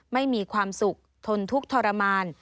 ไม่มีความสุขทนทุกข์ทรมาน